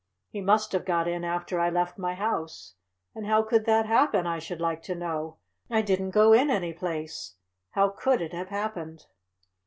He must have got in after I left my house. And how could that happen, I should like to know! I didn't go in any place. How could it have happened?"